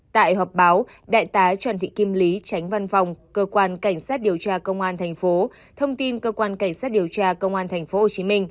tại họp báo đại tá trần thị kim lý tránh văn phòng cơ quan cảnh sát điều tra công an tp hcm